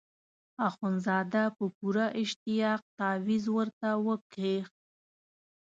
اخندزاده په پوره اشتیاق تاویز ورته وکیښ.